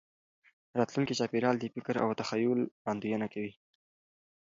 راتلونکي چاپېریال د فکر او تخیل وړاندوینه کوي.